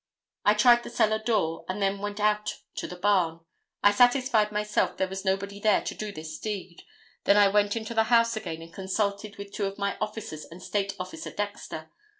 I tried the cellar door, and then went out to the barn. I satisfied myself there was nobody there to do this deed. Then I went into the house again and consulted with two of my officers and State Officer Dexter.